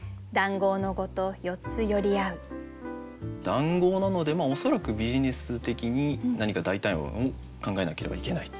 「談合」なので恐らくビジネス的に何か代替案を考えなければいけない